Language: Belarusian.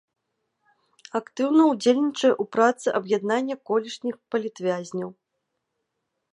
Актыўна ўдзельнічае ў працы аб'яднання колішніх палітвязняў.